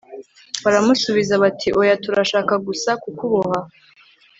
baramusubiza bati oya, turashaka gusa kukuboha